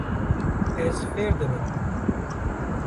Ez fêr dibim.